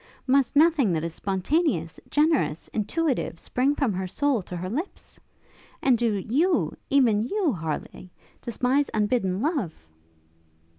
Must nothing that is spontaneous, generous, intuitive, spring from her soul to her lips? And do you, even you, Harleigh, despise unbidden love!'